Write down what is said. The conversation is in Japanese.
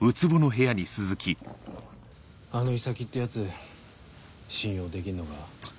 あの井崎って奴信用できんのか？